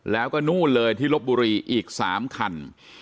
แล้วก็นู่นเลยที่ลบบุรีอีก๓คัน